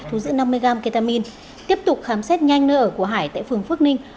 thu giữ năm mươi gram ketamin tiếp tục khám xét nhanh nơi ở của hải tại phường phước ninh